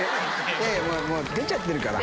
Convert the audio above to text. もう出ちゃってるから。